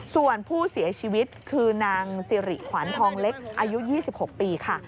ส่วนผู้เสียชีวิตคือนางสิริขวัญทองเล็กอายุ๒๖ปีค่ะ